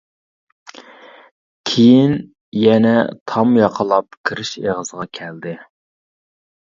كېيىن يەنە تام ياقىلاپ كىرىش ئېغىزىغا كەلدى.